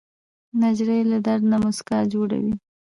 نجلۍ له درد نه موسکا جوړوي.